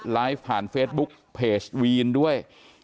ไลฟ์ผ่านเฟซบุ๊กเพจวีนด้วย